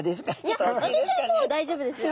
いや私はもう大丈夫ですよ。